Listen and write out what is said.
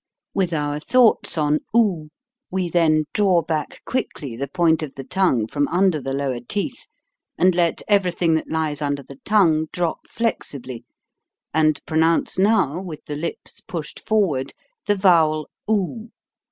With our thoughts on do we then draw back quickly the point of the tongue from under the lower teeth and let everything that lies under the tongue drop flexibly and pronounce now, with the lips pushed forward, the vowel oo.